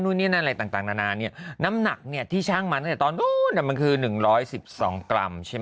นู่นนี่นั่นอะไรต่างนานาเนี่ยน้ำหนักเนี่ยที่ช่างมาตั้งแต่ตอนนู้นมันคือ๑๑๒กรัมใช่ไหม